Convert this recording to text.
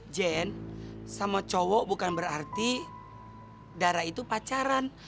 jen sama cowok bukan berarti darah itu pacaran